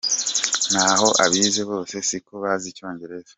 Naho abize bose siko bazi icyongereza.